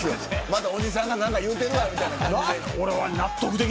また、おじさんが何か言うてるわみたいな感じで。